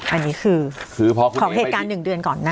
อันนี้คือของเหตุการณ์๑เดือนก่อนนะ